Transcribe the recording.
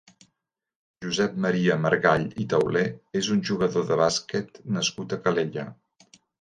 Josep Maria Margall i Tauler és un jugador de bàsquet nascut a Calella.